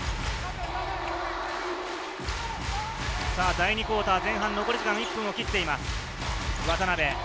第２クオーター、前半は１分を切っています。